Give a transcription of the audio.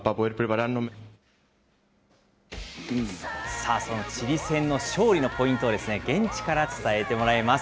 さあ、そのチリ戦の勝利のポイントをですね、現地から伝えてもらいます。